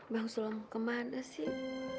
bang sulong kemana sih